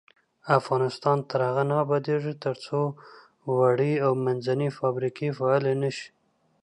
افغانستان تر هغو نه ابادیږي، ترڅو وړې او منځنۍ فابریکې فعالې نشي.